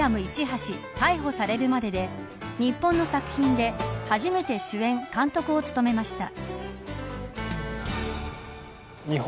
逮捕されるまで日本の作品で初めて主演監督を務めました。